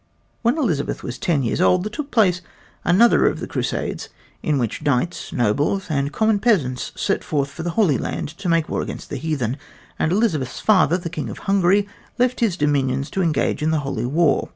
When Elizabeth was ten years old there took place another of the crusades in which knights, nobles and common peasants set forth for the Holy Land to make war against the heathen; and Elizabeth's father, the King of Hungary, left his dominions to engage in the holy war.